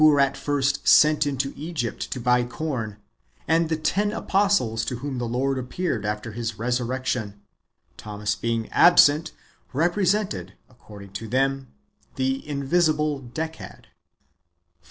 77 were at first sent into Egypt to buy corn/ and the ten apostles to whom the Lord appeared after His resurrection — Thomas^ being absent, — represented, according to them, the invisible Decad. 4.